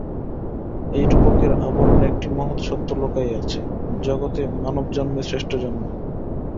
এই রূপকের আবরণে একটি মহৎ সত্য লুকাইয়া আছে, জগতে মানবজন্মই শ্রেষ্ঠ জন্ম।